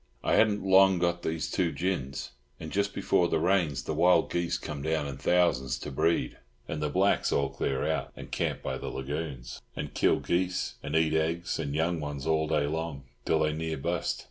I hadn't long got these two gins; and just before the rains the wild geese come down in thousands to breed, and the blacks all clear out and camp by the lagoons, and kill geese and eat eggs and young ones all day long, till they near bust.